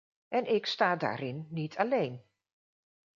En ik sta daarin niet alleen.